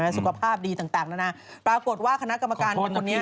สุขภาพดีต่างนานาปรากฏว่าคณะกรรมการคนนี้